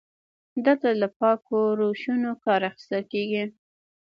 دلته له پاکو روشونو کار اخیستل کیږي.